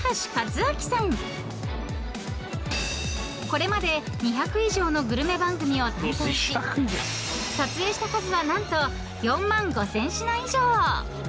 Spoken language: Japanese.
［これまで２００以上のグルメ番組を担当し撮影した数は何と４万５，０００品以上］